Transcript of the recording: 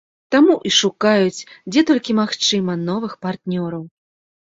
Таму і шукаюць, дзе толькі магчыма, новых партнёраў.